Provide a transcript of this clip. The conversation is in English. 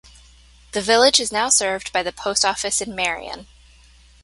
The village is now served by the post office in Marion.